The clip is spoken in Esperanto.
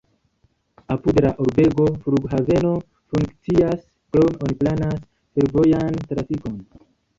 Apud la urbego flughaveno funkcias, krome oni planas fervojan trafikon.